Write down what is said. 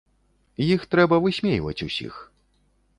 Іх трэба высмейваць усіх.